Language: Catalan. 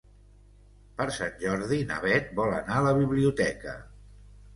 Per Sant Jordi na Bet vol anar a la biblioteca.